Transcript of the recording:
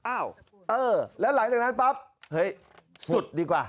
อ้าวเออแล้วหลังจากนั้นปั๊บเฮ้ยสุดดีกว่า